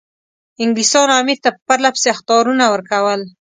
انګلیسانو امیر ته پرله پسې اخطارونه ورکول.